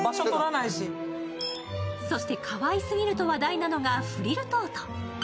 そして、かわいすぎると話題なのがフリルトート。